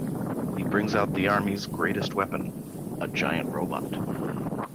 He brings out the Army's greatest weapon, a giant robot.